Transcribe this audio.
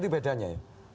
itu bedanya ya